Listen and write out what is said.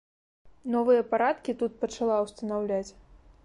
Новыя парадкі тут пачала ўстанаўляць.